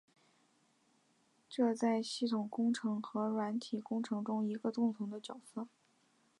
这在系统工程和软体工程中是一个共同的角色。